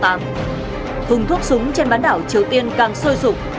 thùng thuốc súng trên bán đảo triều tiên càng sôi sụp